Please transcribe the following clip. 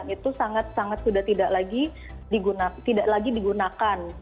itu sangat sangat sudah tidak lagi digunakan